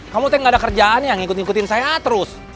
kamu teng gak ada kerjaan yang ngikutin saya terus